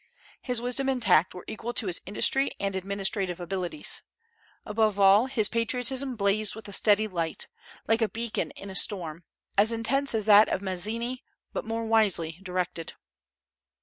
His wisdom and tact were equal to his industry and administrative abilities. Above all, his patriotism blazed with a steady light, like a beacon in a storm, as intense as that of Mazzini, but more wisely directed.